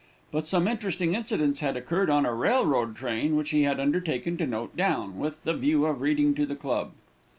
But some interesting incidents had occurred on a railroad train, which he had undertaken to note down, with the view of reading to the club.